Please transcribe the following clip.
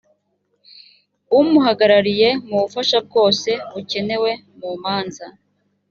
umuhagarariye m ubufasha bwose bukenewe mu manza